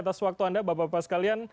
atas waktu anda bapak bapak sekalian